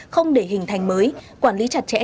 không để hình thành mới quản lý chặt chẽ